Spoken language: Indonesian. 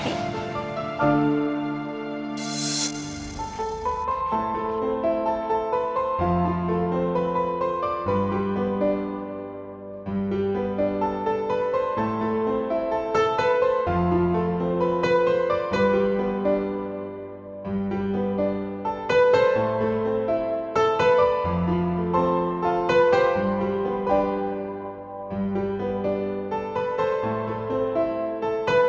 udah enak kok